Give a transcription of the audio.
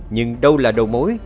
nhưng đâu là đầu mối